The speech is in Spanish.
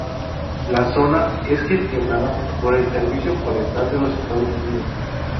La zona es gestionada por el Servicio Forestal de los Estados Unidos.